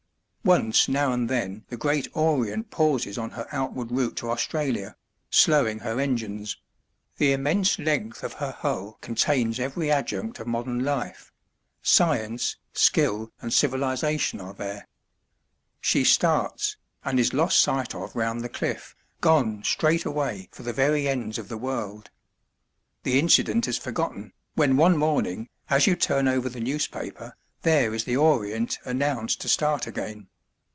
Once now and then the great Orient pauses on her outward route to Australia, slowing her engines: the immense length of her hull contains every adjunct of modern life; science, skill, and civilisation are there. She starts, and is lost sight of round the cliff, gone straight away for the very ends of the world. The incident is forgotten, when one morning, as you turn over the newspaper, there is the Orient announced to start again.